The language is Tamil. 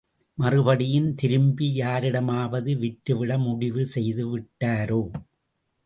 மறுபடியும் திருப்பி யாரிடமாவது விற்றுவிட முடிவுசெய்து விட்டாரோ?